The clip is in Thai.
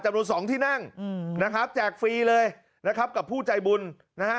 รวมสองที่นั่งนะครับแจกฟรีเลยนะครับกับผู้ใจบุญนะฮะ